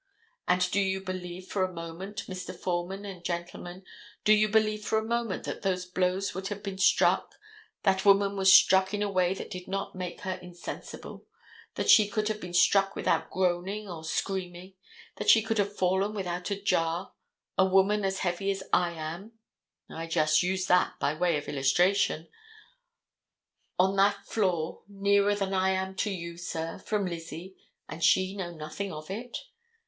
And do you believe for a moment, Mr. Foreman and gentlemen, do you believe for a moment that those blows could have been struck—that woman was struck in a way that did not make her insensible—that she could have been struck without groaning or screaming; that she could have fallen without a jar, a woman as heavy as I am (I just use that by way of illustration), on that floor, nearer than I am to you, sir, from Lizzie, and she know nothing of it?